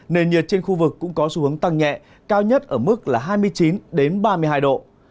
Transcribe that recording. nền nhiệt trên khu vực cũng có xu hướng tăng nhẹ cao nhất ở mức là hai mươi chín ba mươi hai độ